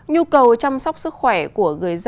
nhu cầu chăm sóc sức khỏe của người cao tuổi